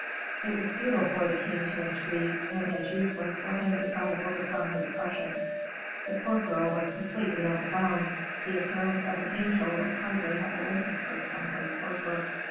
It was futile for the king to entreat, and as useless for him to try to overcome her depression: the poor girl was completely overwhelmed, the appearance of an angel would hardly have awakened her from her torpor.